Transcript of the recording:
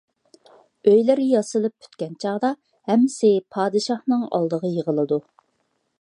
ئۆيلىرى ياسىلىپ پۈتكەن چاغدا، ھەممىسى پادىشاھنىڭ ئالدىغا يىغىلىدۇ.